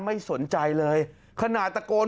ไม่สนใจเลยขนาดตะโกน